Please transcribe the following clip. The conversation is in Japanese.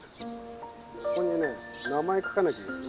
ここにね名前書かなきゃいけない。